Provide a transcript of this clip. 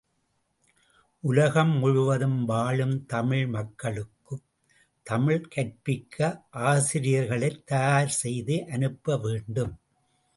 உலகம் முழுதும் வாழும் தமிழ் மக்களுக்குத் தமிழ் கற்பிக்க ஆசிரியர்களைத் தயார் செய்து அனுப்ப வேண்டும்.